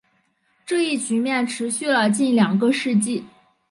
这一局面持续了近两个世纪。